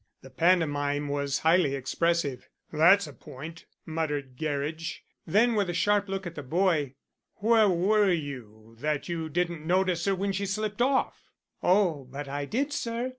The pantomime was highly expressive. "That's a point," muttered Gerridge. Then with a sharp look at the boy: "Where were you that you didn't notice her when she slipped off?" "Oh, but I did, sir.